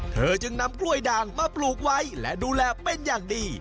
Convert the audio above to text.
เธอจึงนำกล้วยด่างมาปลูกไว้และดูแลเป็นอย่างดี